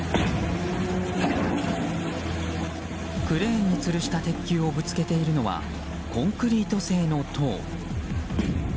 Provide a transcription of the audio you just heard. クレーンにつるした鉄球をぶつけているのはコンクリート製の塔。